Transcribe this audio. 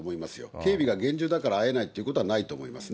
警備が厳重だから会えないということはないと思いますね。